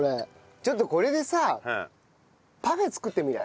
ちょっとこれでさパフェ作ってみない？